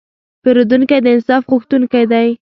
پیرودونکی د انصاف غوښتونکی دی.